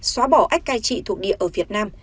xóa bỏ ách cai trị thuộc địa ở việt nam